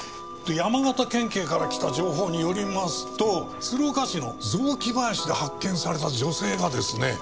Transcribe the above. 山形県警から来た情報によりますと鶴岡市の雑木林で発見された女性がですね